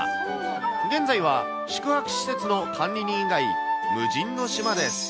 現在は宿泊施設の管理人以外、無人の島です。